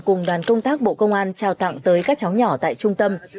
cùng đoàn công tác bộ công an trao tặng tới các cháu nhỏ tại trung tâm